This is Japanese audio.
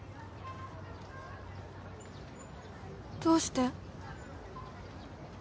どうして？